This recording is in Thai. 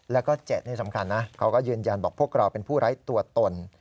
แล้วก็๗นี่สำคัญนะเขาก็ยืนยันบอกพวกเราเป็นผู้ไร้ตัวตน